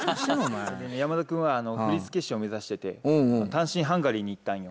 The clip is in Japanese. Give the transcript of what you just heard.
山田君は振り付け師を目指してて単身ハンガリーに行ったんよ。